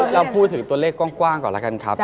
เราพูดถึงตัวเลขกว้างก่อนแล้วกันครับ